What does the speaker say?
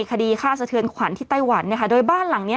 คดีฆ่าสะเทือนขวัญที่ไต้หวันเนี่ยค่ะโดยบ้านหลังเนี้ย